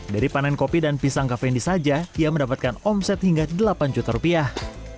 dari panen kopi dan pisang kafeindi saja ia mendapatkan omset hingga delapan juta rupiah